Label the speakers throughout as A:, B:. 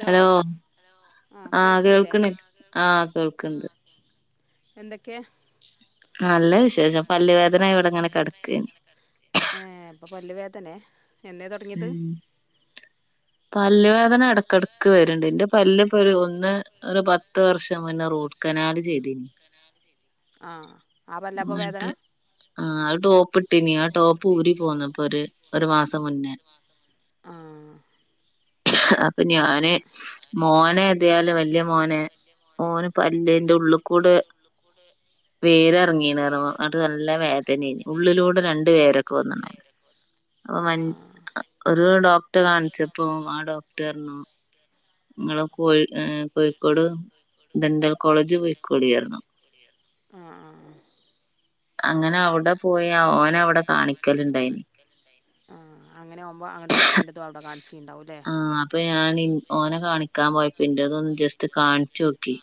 A: Hello ആ കേൾക്കണ ആ കേൾക്കണ്ട്
B: എന്തൊക്കെ
A: നല്ല വിശേഷം പല്ല് വേദന ഇവിടെ
B: ഇപ്പം പല്ലുവേ തന്നെ എന്നേ തുടങ്ങിയത്
A: പല്ലുവേദനഇടക്കിടക്ക് വരുണ്ട് ഇന്റെ പല്ല് ഇപ്പൊ ഒരു ഒന്ന് ഒരു പത്ത് വർഷം മുന്നെ റൂട്ട് കനാൽ ചെയ്തനി
B: ആ
A: ഇങ്ങിട്ട് ആ അത് ടോപ്പിട്ട് ട്ടിനിയ ആ ടോപ്പ് ഊരി പോന്ന് ഇപ്പം ഒരു ഒരു മാസം മുന്നേ
B: ആ
A: അപ്പൊ ഞാന് മോനെ എതയാലും വല്ലേമോനെ ഓൻ പല്ലിന്റെ ഉള്ളിൽ കൂടെ വേര് ഇറ ഇറങ്ങിന്ഇന്നട്ട് നല്ല വേദന ഉള്ളിലൂടെ രണ്ടുവേരെ ക്കെ വന്നുണോലൊ അപ്പൊ ഒരു ഡോക്ടർ കാണിച്ചപ്പോ ആ ഡോക്ടർ പറഞ്ഞു നിങ്ങള് കോഴിക്കോട് ഡെന്റൽ കോളേജ് പൊയ്ക്കോളീ എന്ന് പറഞ്ഞു അങ്ങനെ അവിടെ പോയി ഓനെ അവിടെ കാണിക്കലുണ്ടായിനി
B: അങ്ങനെയാകുമ്പോൾ അന്റതുംഅവിടെ കാണിക്കല്ലേ ഉണ്ടാവുല്ലേ
A: ഞാൻ ഓനെ കാണിക്കാൻ പോയപ്പ എന്റേതൊന്നുംജസ്റ്റ് കാണിച്ചു നോക്കി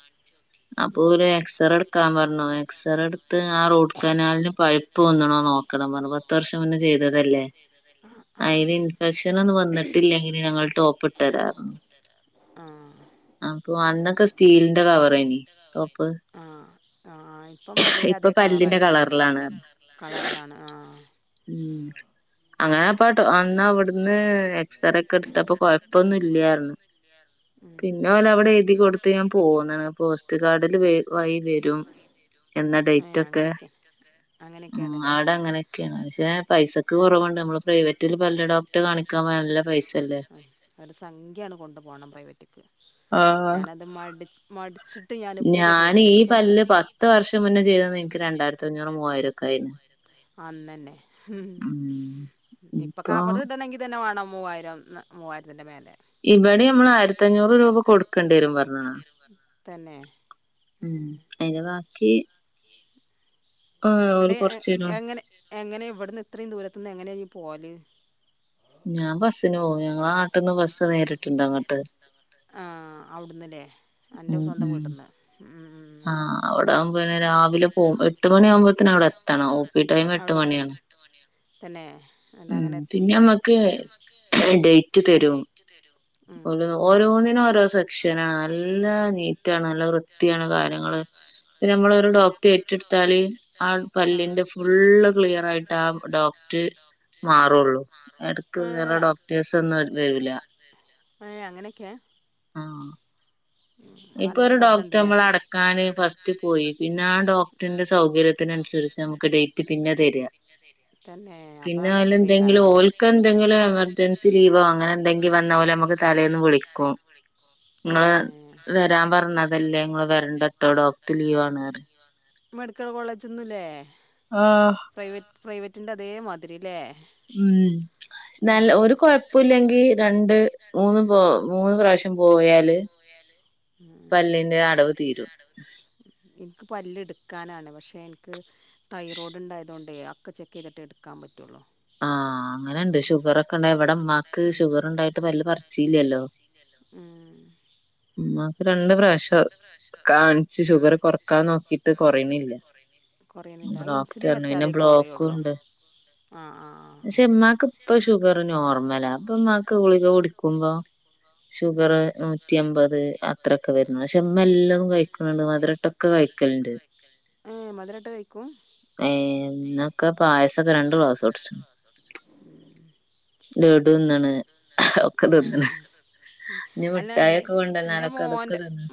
A: അപ്പൊ ഒരു എക്സറ ക്കാൻ പറഞ്ഞു എക്സറേ എടുത്ത് ആ റൂട്ട് കനാലിന് പഴുപ്പ് വന്നണോ നോക്കണം പറഞ്ഞു പത്ത് വർഷം മുന്നെ ചെയ്തതല്ലേ അതിന് ഇൻഫെക്ഷന ഒന്നും വന്നിട്ടില്ലെങ്കില് ഞങ്ങൾ ടോപ്പ് ഇട്ടു തരാംന്ന് പറഞ്ഞു അപ്പൊ അന്നൊക്കെ സ്റ്റീലിന്റെ കവറയെനി ടോപ്പ്
B: ഇപ്പം പല്ലിന്റെ അതേ കളർ ആായിട്ടുണ്ടല്ല കളറിലാണ് ആ
A: ഉം അങ്ങനെപ്പട്ടോ അന്ന് അവിടുന്ന് എക്സറേ ഒക്കെ എടുത്തപ്പൊ കൊഴപ്പൊന്നും ഇല്ലന്ന് പിന്നെ ഓല് അവിടെ എഴുതി കൊടുത്ത് ഞാൻ പൊന്ന്ണ് പോസ്റ്റ് കാർഡ് വഴി വരും വൈ വരും എന്ന ഡേറ്റ് ഒക്കെ ഉ ആവിടെ അങ്ങനെയൊക്കെയാണ് പിന്നെപൈസക്ക് കുറവുണ്ട് പ്രൈവറ്റി പല്ല് ഡോക്ടറെ കാണിക്കാൻ പോയാൽ നല്ല പൈസ അല്ലേ
B: അവരു സംഖ്യയണ് കൊണ്ട് പോകണം പ്രൈവറ്റ്ക്ക് ഞാനത് മടി മടി
A: ഞാൻ ഈ പല്ല് പത്ത് വർഷം മുന്നേ ചെയ്തതാ രണ്ടായിരത്തി അഞ്ഞൂറ് മൂവായിരം ഒക്കെ ആയിരുന്നു
B: അന്നന്നെ ഉം ഇപ്പൊ കവർ ഇടണമെങ്കി തന്നെ വേണം മൂവായിരം മൂവായിരത്തിൻ്റെ മേലെ
A: ഇവിടീം നമ്മൾ ആയിരത്തി അഞ്ഞൂറ് രൂപ കൊടുക്കേണ്ടി വരും പറഞ്ഞിനു മ്മ്മ് അതിനു [unintelligible]
B: എടെ എങ്ങനെ എങ്ങനെ എവിടന്ന് ഇത്രയും ദൂരത്തുന്ന് എങ്ങനെയാ ഈ പോവല്
A: ഞാൻ ബസ്സന് പോവും ഞങ്ങള നാട്ടീന്ന് ബസ്സ് നേരിട്ടുണ്ട് അങ്ങോട്ട്
B: ആ അവിടന്ന്ല്ലേ എന്റെ സ്വന്തം വീട്ട്ന്ന്
A: ഇതിലെ പോവും എട്ട് എട്ട് മണിയാകുമ്പോഴത്തേന് അവിടെ എത്തണം ഓ പി ടൈം എട്ട് മണിയാണ്
B: തന്നെ
A: ഉം പിന്നെ നമ്മക്ക് ഡേറ്റ് തരും ഒല് ഓരോന്ന [unintelligible] ഷെന നല്ല നീറ്റാണ് നല്ല വൃ വൃത്തിയാണ് കാര്യങ്ങള് പിന്നെ നമ്മള ഒരു ഡോക്ടറ് ഏറ്റെടുത്താല് ആ പല്ലിന്റെ ഫുള്ള് ക്ലിയർ ആയി ആ ഡോക്റ് മാറോള്ളൂ എടക്ക് വേറെ ഡോക്ടേഴ്സ് ഒന്നും വരൂല
B: ഏഹ് അങ്ങനെയൊക്കെയ
A: ഇപ്പൊ ഒരു ഡോക്ടർ നമ്മള് അടക്കാന് ഫസ്റ്റ് പോയി പിന്നെ ആ ഡോക്ടറിന്റെ സൗകര്യത്തിന് അനുസരിച്ച് നമുക്ക് ഡേറ്റ് പിന്നെ തരിക പിന്നെ അതിൽ എന്തെങ്കിലും ഓൽക്ക് എന്തെങ്കിലും എമർജൻസി ലീവോ അങ്ങനെ എന്തെങ്കിലും വന്ന ഓല് നമ്മുക്ക് തലേന്ന് വിളിക്കും നിങ്ങള് വരാൻ പറഞ്ഞത് [unintelligible] നിങ്ങള് വരണ്ട ഡോക്ടർ ലീവ് ആണ്
B: മെഡിക്കൽ കോളേജ്ന്നുംല്ലേ പ്രൈവറ്റ് പ്രൈവറ്റ് ട്ടിണ്ടതേ മാതിരില്ലേ
A: ഉം നല് ഒരു കുഴപ്പുല്ലെങ്കി രണ്ട് മൂന്ന് പോ മൂന്ന് പ്രാവശ്യം പോയാല് പല്ലിന്റെ അടവ് തീരും-
B: എനിക്ക് പല്ല് എടുക്കാനാണ് പക്ഷേ എനിക്ക് തൈറോയ്ഡ് ഇണ്ടായതോണ്ടെയ് അഒക്കെ ചെക്ക് ചെയ്തിട്ടേ എടുക്കാൻ പറ്റുള്ളൂ
A: ആഹ അങ്ങനണ്ട് ഷുഗർ ഒക്കെണ്ട് ഇവിടെമ്മാക്ക് ഷുഗർ ഉണ്ടായിട്ട് പല്ല് പറിച്ചില്ലല്ലോ ഉമ്മ രണ്ട് പ്രാവശ്യം കാണിച്ച് ഷുഗർ കൊറക്കാൻ നോക്കിട്ട് കൊറയണില്ല അപ്പൊ ഡോക്ടർ പറഞ്ഞു പിന്നെ ബ്ലോക്കുണ്ട് ക്ഷെ മ്മാക്ക് ഇപ്പ ഷുഗർ നോർമലാ അപ്പ ഉമ്മാക്ക് ഗുളിക കുടിക്കുമ്പോ ഷുഗർ നൂറ്റി അമ്പത് അത്രൊക്കെ വ പക്ഷെമ്മ എല്ലാം കഴിക്കലുണ്ട് മധുരട്ടൊക്കെ കഴിക്കലുണ്ട്
B: ആഹ് മധുരട്ട കഴിക്കും
A: ഇന്നൊക്കെ പായസൊക്കെ രണ്ട് ഗ്ലാസ്‌ തൊട്‌ച്
B: ഉം [inaudible]
A: [unintelligible] ന്നണ് ഒക്കെ തിന്നണ് ഇ മിഠായിൊക്കെ കൊണ്ടന്നാലൊക്കെ അതൊക്കെ തിന്ന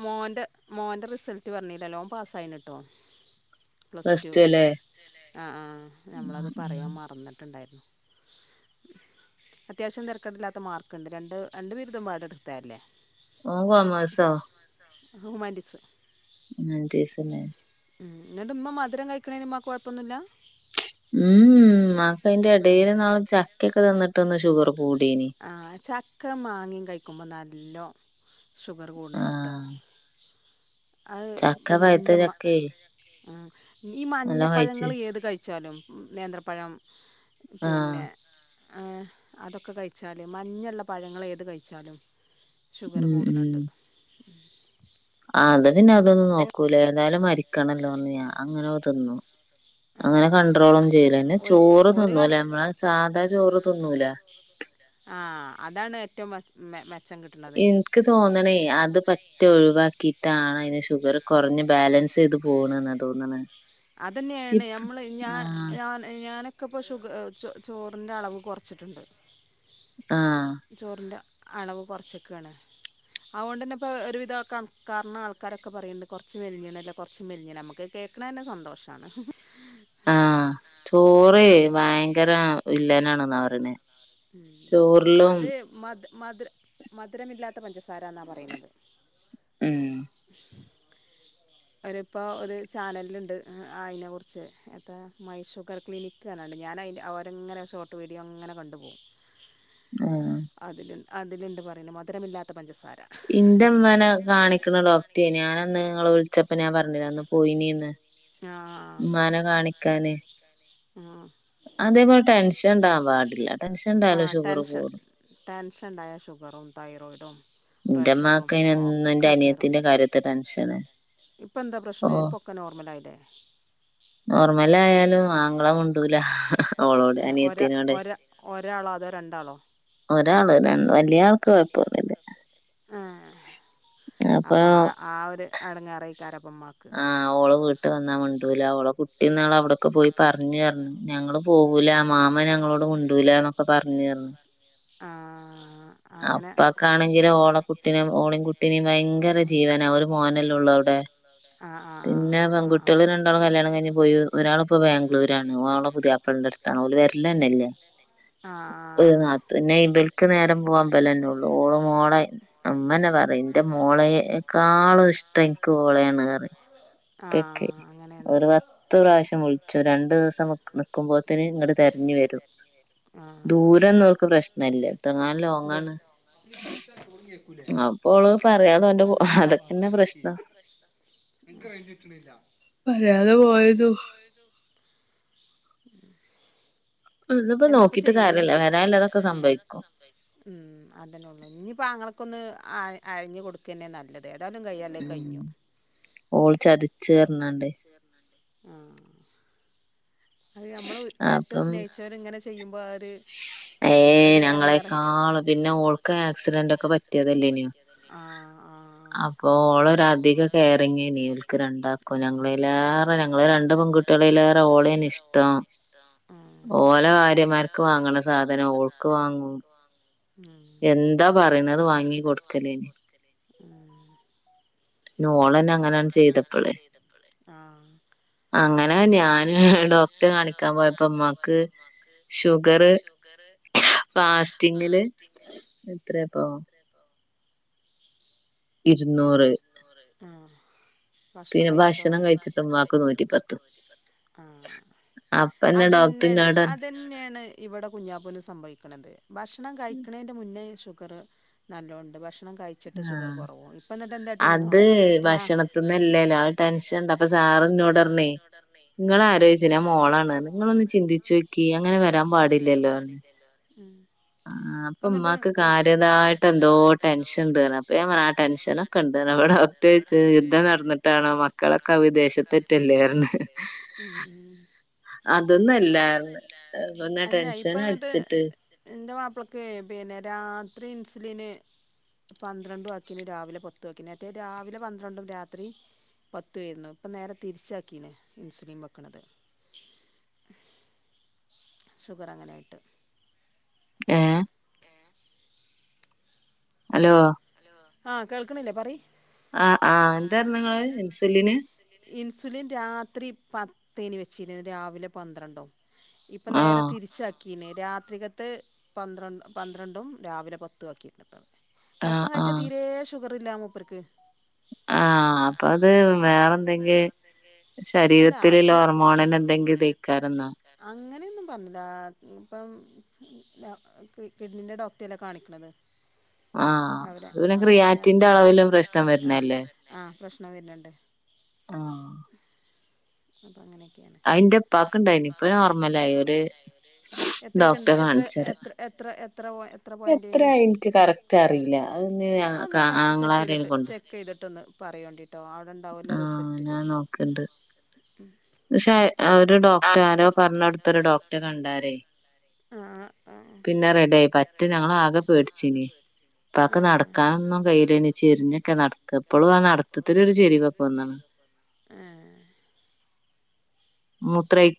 B: മോന്റെ റിസൾട്ട് പറഞ്ഞില്ലല്ലോ ഓൻ പാസ്സായിന്ട്ടോ പ്ലസ് ടു ആഹ് ആഹ് ഞ്ഞമ്മളത് പറയാൻ മറന്നിട്ട്ണ്ടായിരുന്നു അത്യാവശ്യം തെര ക്കേട്ല്ലാത്ത മാർക്ക്ണ്ട് രണ്ട് രണ്ടു പേരുടേതുംപാടെ എട്ത്തതല്ലേ
A: ഓന് കോമേഴ്‌സോ
B: ഹ്യുമാനിറ്റീസ്
A: ഹ്യൂമന്റിസല്ലേ
B: ഉം എന്നിട്ട് ഇമ്മ മധുരം കഴിക്കണേന് മ്മാക്ക് കൊഴപ്പൊന്നുല്ല
A: ഉം ഇമ്മാക്ക് അയിന്റെയെടേല് ന്നാള് ചക്കൊക്കെ തിന്നിട്ട് ഒന്ന് ഷുഗർ കൂടിനി
B: ഇല്ലോ ഷുഗർ കൂടുന്നുണ്ട്ട്ടോ അഹ് ഇന്റെമ്മ ഉം ഈ മഞ്ഞപ്പഴങ്ങൾ ഏത് കഴി ച്ചാലും നേന്ത്രപ്പഴം പിന്നെ ആഹ് അതൊക്കെ കഴിച്ചാല് മഞ്ഞള്ള പഴങ്ങൾ ഏത് കഴിച്ചാലും ഷുഗർ കൂട്ണ്‌ണ്ട്
A: ആ ത് ഇത് പിന്നെതൊന്നും നോക്കൂല ഏതാലും മരിക്ക ക്കണലോന്നിയ അങ്ങനോക്കെ തിന്നു അങ്ങനെ കണ്ട്രോളൊന്നു ചെയ്യൂല പിന്നെ ചോറ് തിന്നുല നമ്മള സാധാ ചോറ് തിന്നൂല
B: മേ മേ
A: എനിക്ക് തോന്നണേ അത് പറ്റേ ഒഴിവാ ക്കിട്ടാണ് അയിന് ഷുഗർ കൊറഞ്ഞ് ബാലൻസ്യ്ത് പോണന്ന് തോന്നണ്‌
B: അതന്നെയാണ് നമ്മള് ഞ ഞ ഞാനെ ക്കെ ഇപ്പോ ഷു ചോറിൻ്റെ അളവ് കൊറച്ചിട്ട്ണ്ട് ചോറിന്റ അളവ് കുറച്ചൊക്കാണ്. അവോണ്ടേന്നെ ഇപ്പോ ഒരു വിധാള്ക്കാ കാരണ ആള്ക്കാരൊക്കെ പറയ്ണ്ട് കൊറച്ച് മെലിഞ്ഞ്ണല്ലോ മെലിഞ്ഞ്ണ്‌ നമുക്കത് കേൾക്ക്‌ണന്നെ സ്തോഷാണ് സന്തോഷമാണ്
A: ആഹ് ചോ ചോറെ ഭയങ്കര വില്ലനാണെന്ന പറയണെ
B: ഉം അത് മധ് മധ്ര മധ്രമില്ലാത്ത പഞ്ചസാരന്ന പറയ്ണത്
A: ഉം
B: ഒരിപ്പോ ഒരു ചാനലിണ്ട് അയിനെക്കുറിച്ച് എത്ത മൈഷുഗർ ക്ലിനിക്ക് ആണ്‌റ്ഞ്ഞാണ്ട് ഞാനയിന്റെ ഒരങ്ങനെ ഷോർട്ട് വീഡിയോ ഇങ്ങനെ കണ്ട് പോകും അതില് അതിലുണ്ട് പറയുന്നു, മധുരമില്ലാത്ത പഞ്ചസാര
A: എന്റെ അമ്മയെ കാണിക്കണഡോക്ടറേ ഞാനന്ന് വിളിച്ച ഞാൻ പറഞ്ഞിലെ അന്നു പോയി എന്ന്
B: ആ
A: എന്താണ്
B: ആഹ
A: അതേപോലെ ടെൻഷൻ ഉ ണ്ടാവാൻ പാടില്ല.
B: ആ ടെൻഷൻ ഉണ്ടായൽ ഷുഗറും, തൈറോയിഡും, പ്രഷറും, ഒക്കെ കയറും. ഇപ്പന്താ പ്രശ്നം? ഇപ്പൊക്കെ നോർമലായിലെ.
A: നോർമലായാലും ആങ്ങള മുണ്ടൂല
B: ഒരാ ഒ ഒരാളോ, അതോ രണ്ടാളോ?
A: ഒരാള്, വലിയ ആൾക്ക് കുഴപ്പൊന്നുല്ല.
B: ആ, അപ്പ ആ ആ ഒരു അടങ്ങേറാക്കാരം [unintelligible] ഉമ്മാക്ക്
A: വന്നാ മുണ്ടൂല, ഓളെ കുട്ടിവന്നാൾ അവിടക്ക് പോയി പറഞ്ഞു. ഞങ്ങള് പോകൂല, മാമ്മ ഞങ്ങളോട് മുണ്ടൂലന്നൊക്കെ പറഞ്ഞഞർഞ്. അപ്പക്കാണെങ്കിലും ഓളെ കുട്ടിനെ, ഓളീം കുട്ടീനേം - ഭയങ്കര ജീവന, ഒരു മോനല്ലേ ഉള്ളൂ അവിടെ, പിന്നെ പെൺകുട്ടികൾ രണ്ടാളും കല്യാണം കഴിഞ്. പോയി, ഒരാളിപ്പോ ബാംഗ്ളൂരാണ് ഓളെ പുതിയാപിളാന്റെ അടുത്താണ്. ഓൾ വരലന്നെല്ല [inaudible] ഒരു നാത്തൂനെ ഇബൽക്ക [unintelligible] എനിക്ക് നേരം പോകാൻ ബലന്നെ [inaudible] ള്ളൂ ഓള മോളെ ഇമ്മന്നെ പറ [unintelligible] എന്റെ മോളെക്കാളു ഇഷ് ഇപ്പൊ എനിക്ക് ഓളെ [inaudible] ക്കെ ഒരു പത്ത് പ്രാവശ്യം വിളി രണ്ടു ദിവസം നിൽക്കുമ്പോൾതന്നെ ഇങ്ങട് തെരഞ്ഞു വരും. ദൂരം നമുക്ക് പ്രശ്നല്ല. എത്ര ലോങ്ങാണ്. അപ്പോൾ അവള് പറയാത ഓന്റെ, അതൊക്കെന്നെ പ്രശ്നം. പറയാതെ പോയതു, -
B: [unintelligible] എന്താപ്പ ചെയ്യണ്. ഉ, അതെള്ളു ഇനിയിപ്പോ ആങ്ങളക്കൊന്ന്, - ആ അരിഞ്ഞു കൊടുക്കുക തന്നെ നല്ലതേ അത്- ഇതാനും കൈയല്ലേ കഴിഞ്ഞു
A: ഓൾ ചതിച്ച കാരണമാണ്
B: ആഹ അത് നമ്മള് ഏറ്റവും സ്നേഹിച്ചവർ ഇങ്ങനെ ചെയ് - ചെയ്യും
A: ഏ ഞങ്ങളെക്കാള്ും പിന്നെ ഓൾക്ക ആക്സിഡന്റ് ഒക്കെ പറ്റ പറ്റിയതല്ല നോ അപ്പൊ ഓളൊരു ധിക കെയറിങ് നീ അവക്ക് രണ്ടാക്കും ഞങ്ങളല്ലും ഞങ്ങള രണ്ട് പെൺകുട്ടികളെല്ല ഓളെ ഇഷ്ടം ഓല ഭാര്യമാർ
B: ഭാര്യമാർക്ക് വാങ്ങണ സാധനം ഓൾക്ക് വാങ്ങണം ഉം എന്താ പറയണ അത് വാങ്ങി കൊടുക്കലേ
A: ഓള് ന്നെ അങ്ങനെയാണ് ചെയ്തപ്പോള് അങ്ങനെ ഞാന് ഡോക്ടറെ കാണിക്കാൻ പോയപ്പോ അമ്മക്ക് ഷുഗറ് ഫാസ്റ്റിങ്ങില് എത്രപ്പ
B: ആഹ ഭക്ഷണം കഴിച്ചിട്ടോ ആ അതന്നെയാണ് അതന്നെയാണ് ഇവിടെ കുഞ്ഞാപ്പൊല സംഭവിക്കണതേ ഭക്ഷണം കഴിക്കുന്നതിൻ്റെ മുന്നേ ശുഭം ഷുഗർ നലൊണ്ട് എണം കഴിച്ചിട്ട് ശുഗർ കുറവും
A: അത് ഭക്ഷണത്തിന്നല്ലല്ലോ ടെൻഷൻ ഇണ്ട് അപ്പൊ സാറി ഇന്നോട്ഞ്ഞേ നിങ്ങ ആാരോചിച്ച ഞാൻ മോളാണ് നിങ്ങള ഒന്ന ചിന്തിച്ചു വെക്കി അങ്ങനെ വരാൻ പാടില്ലല്ലോ പറ
B: ഉം
A: ആ അപ്പൊ ഉമമാക്ക് കാര്യതായിട്ട് എന്തോ ടെൻഷൻ ഉണ്ട് അപ്പ ഞാൻ പറ
B: അത അല്ല ഇപ്പിട്ട് എ ക്കെ പിന്നെ രാത്രി ഇൻസുലിന് പന്ത്രണ്ട് രാവിലെ പ പ വക്കറ്റേ രാവിലെ പന്ത്രണ്ടും രാത്രി പത്തു ആരുന്നു ഇപ്പൊ നേരെ തിരിച്ചാക്കീ ഇൻസുലിൻ വെക്കണത് ഷുഗർ അങ്ങനെയായിട്ട്
A: ഏഹ്
B: [unintelligible]
A: ഹലോ
B: ആഹ കേൾക്കണില്ലേ പറയ്
A: ആ ആഹ് എന്താരണങ്ങള് ഇൻസുലിന്
B: ഇൻസുലിൻ രാത്രി പത്തേന് വെച്ചീര്നത് രാവിലെ പന്ത്രണ്ടോ ഇപ്പൊ നേരെ തിരിച്ച രാത്രികത്ത് പന്ത്രണ്ട് പന്ത്രണ്ടും രാവിലെ പത്തും ആക്കിയിട്ടുണ്ട് ഇപ്പം
A: ആ ആ
B: ഷുഗർ ഇല്ലാ മൂപ്പർക്ക്
A: ആ അപ്പൊ അത് വേറെ എന്തെങ്കി ശരീരത്തിുള്ള ഹോർമോണിന്റെ എന്തെങ്കി ഇതിയ്കാരം ന്നാ
B: അങ്ങനെയൊന്നും പറഞ്ഞില്ല ഇപ്പം കിഡ്നിന്റെ ഡോക്ടറേല്ലേ കാണിക്കണത്
A: ആ അത് ക്റിയാറ്റിന്റെ അളവിലും പ്രശ്നം വരുന്നല്ലേ ആ
B: അങ്ങിനെയൊക്കെയാണ് എത്രയൊക്കെണ്ടായിരുന്നു എത്ര എത്ര എത്ര എത്ര എത്ര പോയിന്റ് ആയ്ന് ആന്നൊന്ന് ചെക്ക് ചെയ്തിട്ട് ചെക്ക് ചെയ്തിട്ടൊന്ന് പറയോണ്ടിട്ട്
A: ആ ഞാൻ നോക്കണ്ട് പക്ഷെ ഒരു ഡോക്ടറെ ആരോ പറഞ്ഞോടുത്തൊരു ഡോക്ടറെ കണ്ടാരേ പിന്നെ റെഡിയായി പറ്റെ ഞങ്ങൾ ആകെ പേട്ച്ചീനി ഇപ്പാക്ക് നടക്കാ നൊന്നും കഴിയുലേനി ചെരിഞ്ഞൊക്കെ നടക്കാ ഇപ്പോളും ആ നടത്തത്തിലൊരു ഇതൊക്കെ ഒന്നാണ് മൂത്ര ഒഴി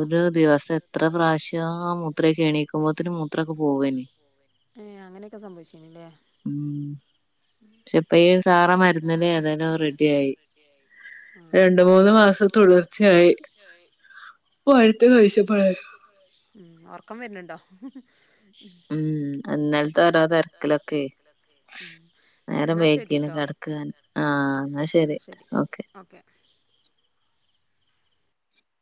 A: ഒരു ദിവസം എത്ര പ്രാവശ്യാ മൂത്ര ഒഴിക്കാൻ എണീക്കുമ്പോത്തിന് മൂത്രൊക്കെ പോവേനി ഉം
B: ങും ഉം ഒറക്കം വരുന്നുണ്ടോ ഉ [unintelligible]
A: ഉം ഇന്നലത്തെ ഓരോ തെരക്കിലൊക്കെ നേരം വെയ്കീണ് കെട്ക്കാണ് ആ എന്നാ ശരി ഓക്കെ